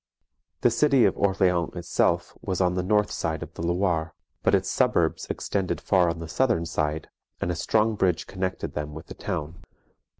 The city of Orleans itself was on the north side of the Loire, but its suburbs extended far on the southern side, and a strong bridge connected them with the town.